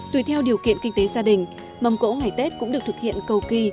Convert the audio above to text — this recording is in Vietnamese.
tùy theo điều kiện kinh tế gia đình mâm cỗ ngày tết cũng được thực hiện cầu kỳ